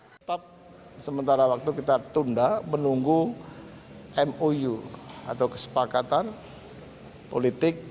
tetap sementara waktu kita tunda menunggu mou atau kesepakatan politik